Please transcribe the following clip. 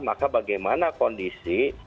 maka bagaimana kondisi